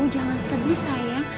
jangan sedih sayang